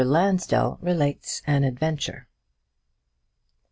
LANSDELL RELATES AN ADVENTURE.